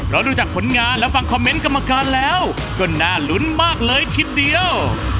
เพราะดูจากผลงานและฟังคอมเมนต์กรรมการแล้วก็น่าลุ้นมากเลยชิดเดียว